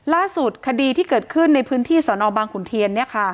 ล่าสุดคดีที่เกิดขึ้นในพื้นที่สนบางขุนเทียน